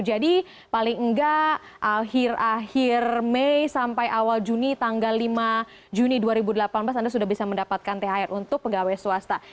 jadi paling enggak akhir akhir mei sampai awal juni tanggal lima juni dua ribu delapan belas anda sudah bisa mendapatkan thr untuk pegawai swasta